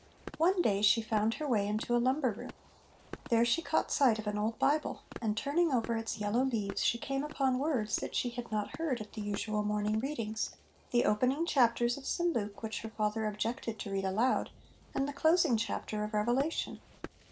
" One day she found her way into a lumber room. There she caught sight of an old Bible, and turning over its yellow leaves she came upon words that she had not heard at the usual morning readings, the opening chapters of St Luke which her father objected to read aloud and the closing chapter of Revelation.